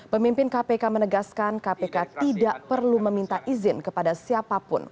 pemimpin kpk menegaskan kpk tidak perlu meminta izin kepada siapapun